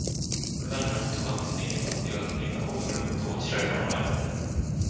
그날 저녁부터 가슴이 땡긴다, 배가 켕긴다고 눈을 흡뜨고 지랄병을 하였다.